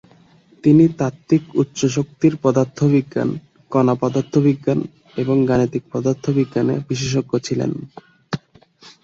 তিনি তাত্ত্বিক উচ্চ শক্তির পদার্থবিজ্ঞান, কণা পদার্থবিজ্ঞান এবং গাণিতিক পদার্থবিজ্ঞানে বিশেষজ্ঞ ছিলেন।